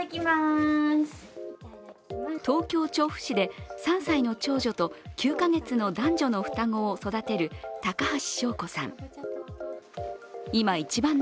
東京・調布市で３歳の長女と９か月の男女の双子を育てる高橋祥子さん。